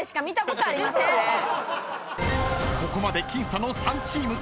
［ここまで僅差の３チーム］